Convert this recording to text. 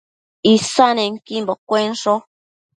Isannequimbo cuensho